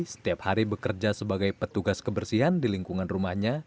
setiap hari bekerja sebagai petugas kebersihan di lingkungan rumahnya